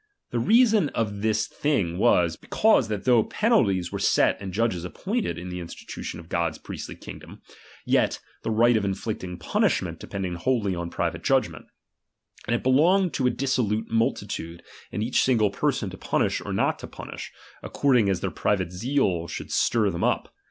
The I reason of this thing was, because that though I penalties were set and judges appointed in the in I stitution of God's priestly kingdom ; yet, the right I of inflicting punishment depended wholly on pri I vate judgment ; and it belonged to a dissolute I multitude and each single person to punish or not I to punish, according as their private zeal should I stir them up.